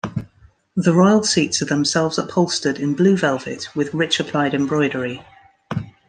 The royal seats are themselves upholstered in blue velvet with rich applied embroidery.